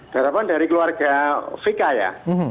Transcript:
harapan dari keluarga vk ya